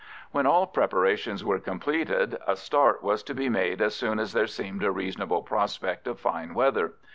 When all preparations were completed a start was to be made as soon as there seemed a reasonable prospect of fine weather.